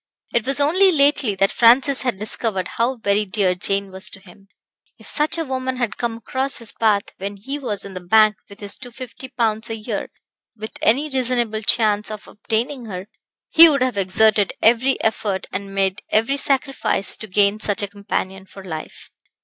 It was only lately that Francis had discovered how very dear Jane was to him. If such a woman had come across his path when he was in the bank with his 250 pounds a year, with any reasonable chance of obtaining her, he would have exerted every effort and made every sacrifice to gain such a companion for life.